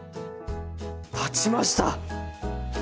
立ちました！